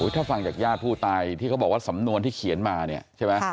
ถ้าฟังจากญาติผู้ตายที่เขาบอกว่าสำนวนที่เขียนมาเนี่ยใช่ไหม